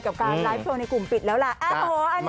กับการไลฟ์โชว์ในกลุ่มปิดแล้วล่ะ